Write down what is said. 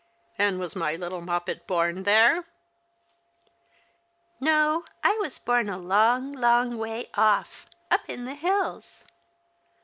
*' And was my little Moppet born there ?"" No, I was born a long, long way off — up in the hills."